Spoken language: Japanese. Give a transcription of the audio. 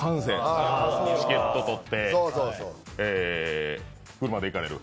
チケット取って、車で行かれる？